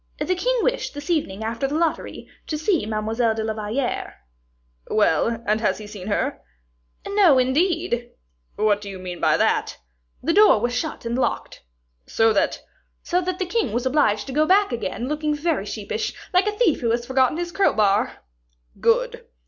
"The king wished, this evening, after the lottery, to see Mademoiselle de la Valliere." "Well, and he has seen her?" "No, indeed!" "What do you mean by that?" "The door was shut and locked." "So that " "So that the king was obliged to go back again, looking very sheepish, like a thief who has forgotten his crowbar." "Good."